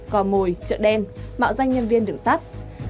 cò mồi chợ đen mạo danh nhân viên đường sắt